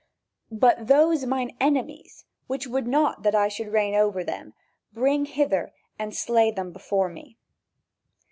"But those mine enemies, which would not that I should reign over them, bring hither and slay them before me."